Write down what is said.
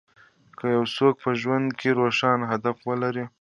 که يو څوک په ژوند کې روښانه هدف ولري.